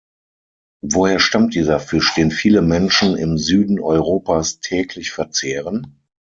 Woher stammt dieser Fisch, den viele Menschen im Süden Europas täglich verzehren?